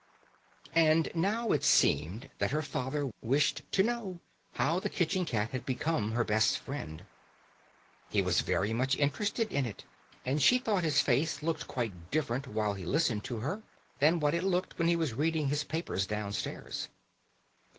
And now it seemed that her father wished to know how the kitchen cat had become her best friend. He was very much interested in it, and she thought his face looked quite different while he listened to her to what it looked when he was reading his papers downstairs.